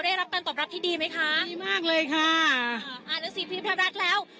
ได้รับการตอบรับที่ดีไหมคะดีมากเลยค่ะอ่าหนังสือพิมพ์ไทยรัฐแล้ว